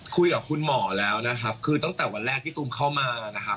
คุยกับคุณหมอแล้วนะครับคือตั้งแต่วันแรกที่ตูมเข้ามานะครับ